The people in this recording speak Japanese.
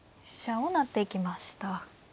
飛車を成っていきました。